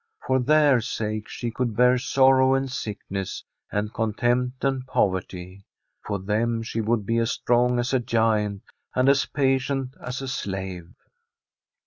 For their sake she could bear sorrow and sickness, and contempt and poverty ; for them she would be as strong as a giant, and as patient as a slave.